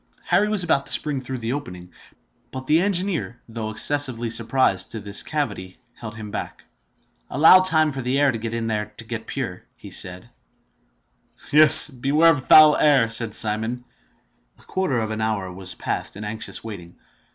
Harry was about to spring through the opening; but the engineer, though excessively surprised to find this cavity, held him back. "Allow time for the air in there to get pure," said he. "Yes! beware of the foul air!" said Simon. A quarter of an hour was passed in anxious waiting.